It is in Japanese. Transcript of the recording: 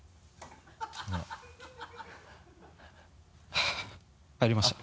はぁ入りました。